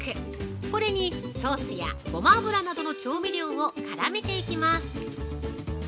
これにソースやゴマ油などの調味料を絡めていきます。